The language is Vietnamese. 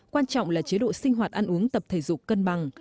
quan trọng là chế độ sinh hoạt ăn uống tập thể dục cân bằng